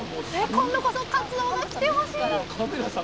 今度こそかつおが来てほしい！